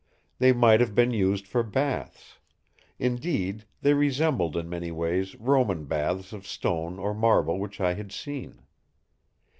They might have been used for baths; indeed, they resembled in many ways Roman baths of stone or marble which I had seen.